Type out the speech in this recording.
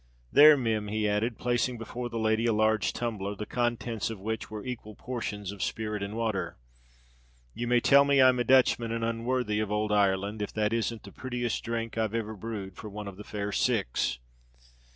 "There, Mim!" he added, placing before the lady a large tumbler, the contents of which were equal portions of spirit and water: "you may tell me I'm a Dutchman and unwor rthy of ould Ireland, if that isn't the purtiest dhrink iver brewed for one of the fair six."